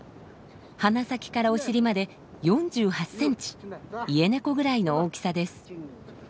鼻先からお尻まで４８センチイエネコぐらいの大きさです。